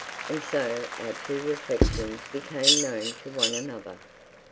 And so our two reflections became known to one another.